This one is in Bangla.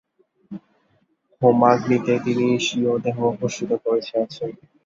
হোমাগ্নিতে তিনি স্বীয় দেহ ভস্মীভূত করিয়াছেন।